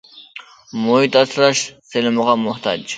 مۇھىت ئاسراش سېلىنمىغا موھتاج.